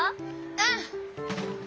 うん！